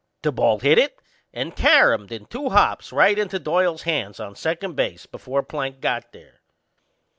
The ball hit it and caromed in two hops right into Doyle's hands on second base before Plank got there.